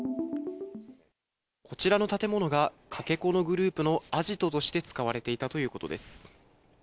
こちらの建物がかけ子のグループのアジトとして使われていたということです。